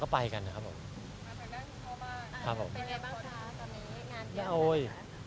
เป็นไงบ้างค่ะตอนนี้งานที่ะทำฉะนั้น